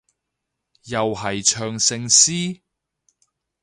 又係唱聖詩？